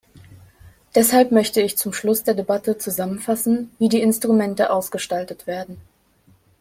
Deshalb möchte ich zum Schluss der Debatte zusammenfassen, wie die Instrumente ausgestaltet werden.